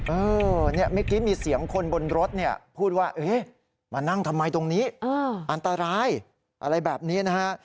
เมื่อกี้มีเสียงคนบนรถเนี่ยพูดว่ามานั่งทำไมตรงนี้อันตรายอะไรแบบนี้นะฮะ